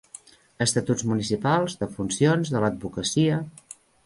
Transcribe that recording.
Estatuts municipals, de funcions, de l'advocacia.